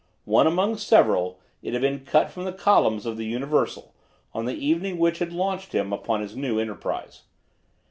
One among several, it had been cut from the columns of the Universal, on the evening which had launched him upon his new enterprise.